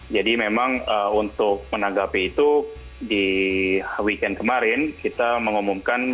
jadi memang untuk menanggapi itu di weekend kemarin kita mengumumkan